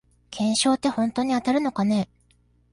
懸賞ってほんとに当たるのかね